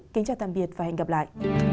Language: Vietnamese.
kính chào tạm biệt và hẹn gặp lại